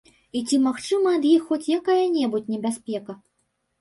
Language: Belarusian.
І ці магчымая ад іх хоць якая-небудзь небяспека?